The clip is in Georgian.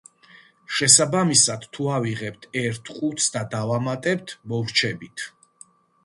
შესაბამისად, თუ ავიღებთ ერთ ყუთს და დავამატებთ, მოვრჩებით.